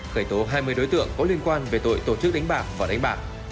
khởi tố hai mươi đối tượng có liên quan về tội tổ chức đánh bạc và đánh bạc